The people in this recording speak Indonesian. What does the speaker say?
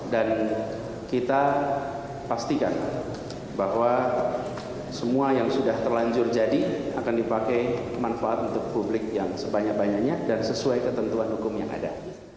dan kita pastikan bahwa semua yang sudah terlanjur jadi akan dipakai manfaat untuk publik yang sebanyak banyaknya dan sesuai ketentuan hukum yang ada